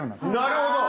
なるほど。